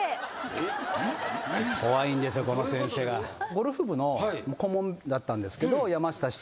ゴルフ部の顧問だったんですけど。